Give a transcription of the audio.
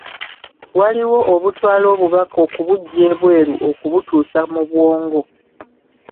Waliwo obutwala obubaka okubuggya ebweru okubutuusa mu bwongo.